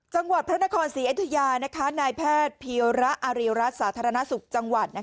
จังหวัดพระนครศรีอยุธยานายแพทย์พีระอารีรัฐสาธารณสุขจังหวัด